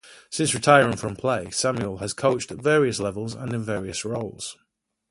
Since retiring from play, Samuel has coached at various levels and in various roles.